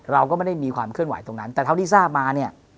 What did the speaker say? เราก็ไม่ได้มีความเคลื่อนไหวตรงนั้นแต่เท่าที่ทราบมาเนี่ย